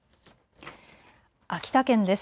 秋田県です。